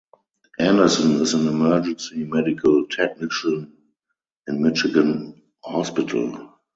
Anderson is an emergency medical technician in Michigan hospital.